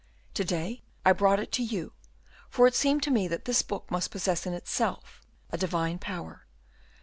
To day I brought it to you, for it seemed to me that this book must possess in itself a divine power.